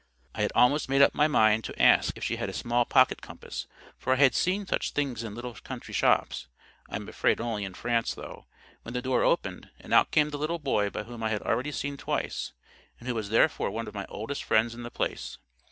I had almost made up my mind to ask if she had a small pocket compass, for I had seen such things in little country shops—I am afraid only in France, though—when the door opened, and out came the little boy whom I had already seen twice, and who was therefore one of my oldest friends in the place.